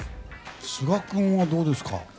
スガ君はどうですか？